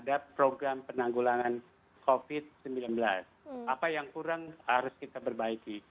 apa yang kurang harus kita perbaiki